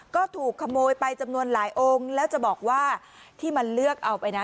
ก็ถูกขโมยไปจำนวนหลายองค์แล้วจะบอกว่าที่มันเลือกเอาไปนะ